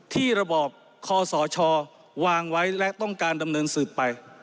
ระบอบคอสชวางไว้และต้องการดำเนินสืบไป